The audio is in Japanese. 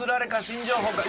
新情報か？